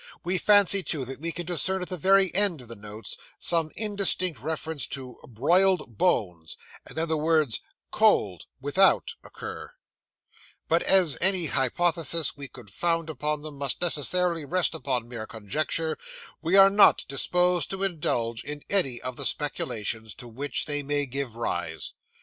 We fancy, too, that we can discern at the very end of the notes, some indistinct reference to 'broiled bones'; and then the words 'cold' 'without' occur: but as any hypothesis we could found upon them must necessarily rest upon mere conjecture, we are not disposed to indulge in any of the speculations to which they may give rise.